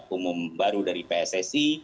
umum baru dari pssi